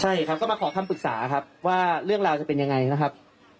ใช่ครับก็มาขอคำปรึกษาครับว่าเรื่องราวจะเป็นยังไงนะครับ